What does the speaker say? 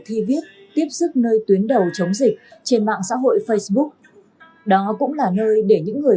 thi viết tiếp sức nơi tuyến đầu chống dịch trên mạng xã hội facebook đó cũng là nơi để những người